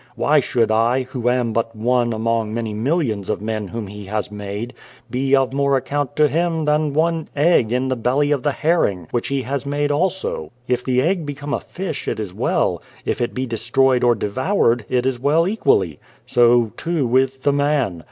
Why should I, who am but one among many millions of men whom He has made, be of more account to Him than one egg in the belly of the herring which He has made also? 193 o The Child, the Wise Man If the egg become a fish, it is well : if it be destroyed or devoured, it is well, equally. So, too, with the man.